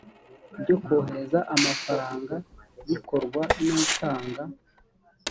byo kohereza amafaranga bikorwa n utanga